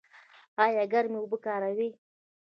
ایا ګرمې اوبه کاروئ؟